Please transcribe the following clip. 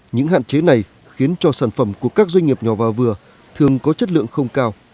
những hạn chế này khiến cho sản phẩm của các doanh nghiệp nhỏ và vừa thường có chất lượng không cao